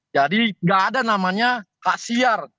jadi nggak ada namanya kak siar